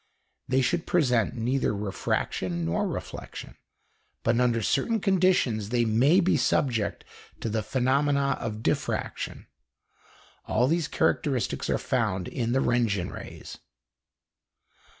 They should present neither refraction nor reflection, but, under certain conditions, they may be subject to the phenomena of diffraction. All these characteristics are found in the Röntgen rays.